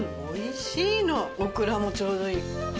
オクラもちょうどいい。